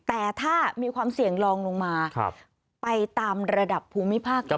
แต่ถ้ามีความเสี่ยงลองลงมาไปตามระดับภูมิภาค